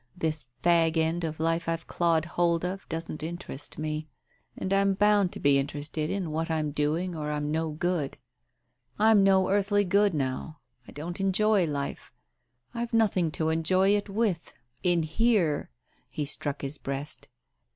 This fag end of life I've clawed hold of, doesn't interest me. And I'm bound to be interested in what Fm doing or Fm no good. Fm no earthly good now. I don't enjoy life, Fve nothing to enjoy it with — in here" — he struck his breast.